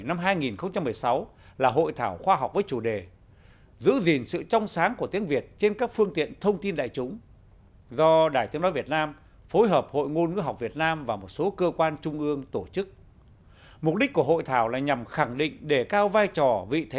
năm mươi năm trước khi phát động phong trào giữ gìn sự trong sáng của tiếng việt đồng chí phạm văn đồng đã viết trên tạp chí học tập nay là tạp chí cộng sản số bốn năm một nghìn chín trăm sáu mươi sáu